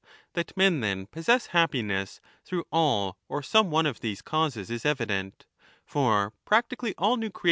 That men, then, possess happiness through all or some or one of these causes is evident; for practically all new creations 1214=' 1 8 = E.